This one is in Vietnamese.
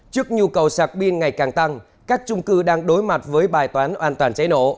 trước nhu cầu sạc pin ngày càng tăng các trung cư đang đối mặt với bài toán an toàn cháy nổ